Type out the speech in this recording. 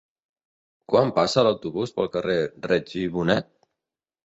Quan passa l'autobús pel carrer Reig i Bonet?